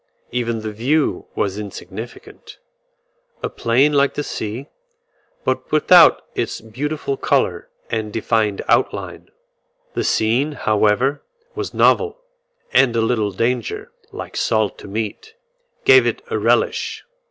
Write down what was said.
Even the view was insignificant; a plain like the sea, but without its beautiful colour and defined outline. The scene, however, was novel, and a little danger, like salt to meat, gave it a relish.